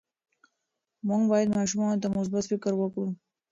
موږ باید ماشومانو ته مثبت فکر ورکړو.